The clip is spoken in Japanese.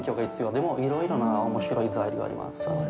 でも、いろいろなおもしろい材料があります。